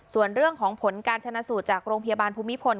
ส่วนเรื่องของผลการชนะสูตรจากโรงพยาบาลภูมิพล